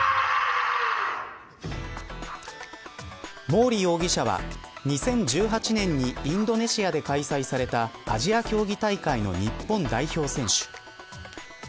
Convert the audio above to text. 毛利容疑者は２０１８年にインドネシアで開催されたアジア競技大会の日本代表選手。